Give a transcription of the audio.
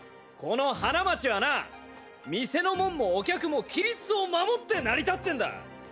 この花街はな店の者もお客も規律を守って成り立ってんだ。